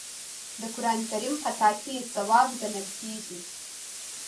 د قران کریم خطاطي ثواب ګڼل کیږي.